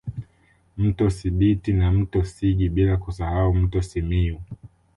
Mto Sibiti na mto Sigi bila kusahau mto Simiyu